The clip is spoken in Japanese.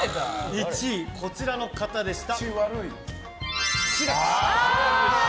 １位、こちらの方でした。